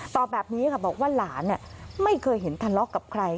แบบนี้ค่ะบอกว่าหลานไม่เคยเห็นทะเลาะกับใคร